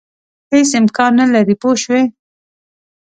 هېڅ امکان نه لري پوه شوې!.